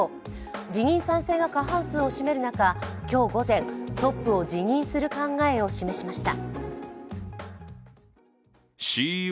辞任賛成が過半数を占める中今日午前、トップを辞任する考えを示しました。